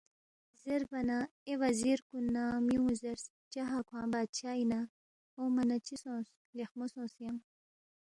زیربا نہ اے وزیر کُن نہ میوُن٘ی زیرس، چاہا کھوانگ بادشاہ اِنا، اونگما نہ چِہ سونگس؟ لیخمو سونگس ینگ